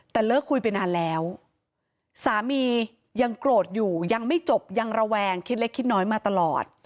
แต่เลิกคุยไปนานแล้วสามียังโกรธอยู่ยังไม่จบยังระแวงคิดเล็กคิดน้อยมาตลอด